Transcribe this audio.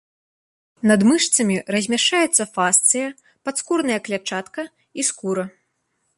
Над мышцамі размяшчаецца фасцыя, падскурная клятчатка і скура.